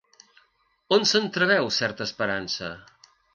On s'entreveu certa esperança?